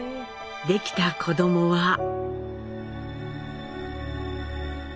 できた子どもは。